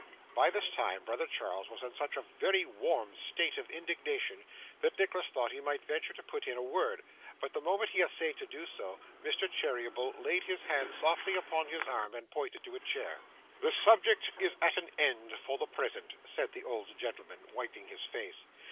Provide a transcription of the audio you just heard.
By this time brother Charles was in such a very warm state of indignation, that Nicholas thought he might venture to put in a word, but the moment he essayed to do so, Mr. Cheeryble laid his hand softly upon his arm, and pointed to a chair. 'The subject is at an end for the present,' said the old gentleman, wiping his face.